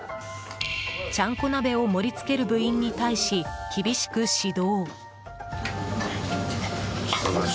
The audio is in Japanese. ちゃんこ鍋を盛り付ける部員に対し厳しく指導。